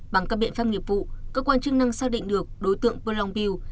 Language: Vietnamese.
bằng các biện pháp nghiệp vụ cơ quan chức năng xác định được đối tượng perlong bill